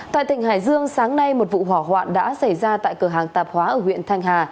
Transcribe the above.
tại tỉnh hải dương sáng nay một vụ hỏa hoạn đã xảy ra tại cửa hàng tạp hóa ở huyện thanh hà